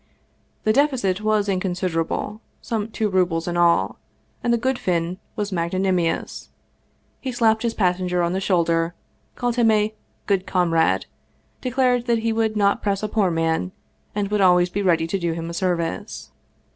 The deficit was inconsiderable, some two rubles in all, and the good Finn was magnanimous ; he slapped his passenger on the shoul der, called him a " good comrade," declared that he would not press a poor man, and would always be ready to do him a service.